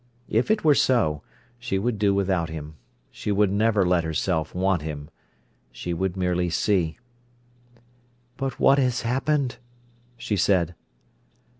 If it were so, she would do without him. She would never let herself want him. She would merely see. "But what has happened?" she said.